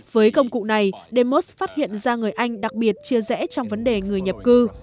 với công cụ này demos phát hiện ra người anh đặc biệt chia rẽ trong vấn đề người nhập cư